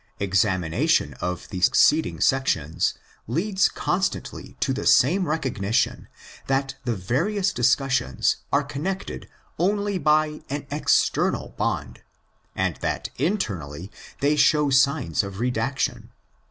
Examination of the succeeding sections leads con stantly to the same recognition that the various discussions are connected only by an external bond, and that internally they show signs of redaction.